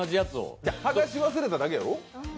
剥し忘れただけやろ？